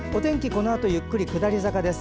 このあとゆっくり下り坂です。